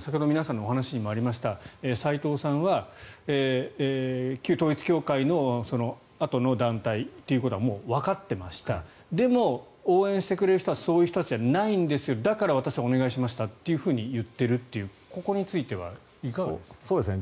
先ほど皆さんのお話にもありました斎藤さんは旧統一教会のあとの団体ということはもうわかっていましたでも応援してくれる人たちはそういう人たちじゃないんですよだから、私はお願いしましたと言っているというここについてはいかがですか？